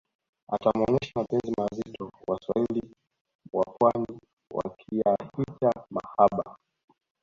atamuonesha mapenzi mazito waswahili wapwani wakiyahita mahaba